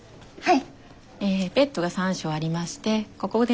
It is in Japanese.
はい。